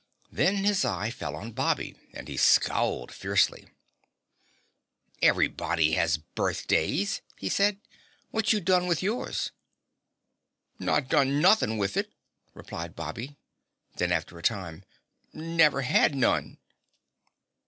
Then his eye fell on Bobby and he scowled fiercely. "Everybody has birthdays," he said. "What you done with yours?" "Not done nothing with it," replied Bobby. Then, after a time, "Never had none."